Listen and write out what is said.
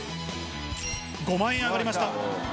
５万円上がりました。